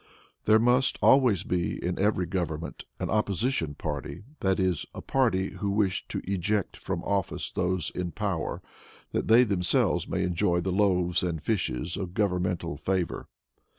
There must always be, in every government, an opposition party that is, a party who wish to eject from office those in power, that they themselves may enjoy the loaves and fishes of governmental favor.